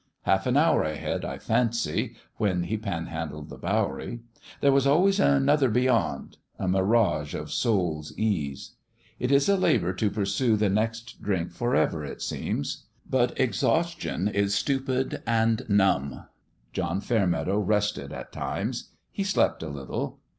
Half an hour ahead, I fancy, when he panhandled the Bowery. There was al ways another beyond a mirage of soul's ease. It is a labour to pursue the next drink forever, it seems. But exhaustion is stupid and numb. John Fairmeadow rested at times : he slept a lit tle.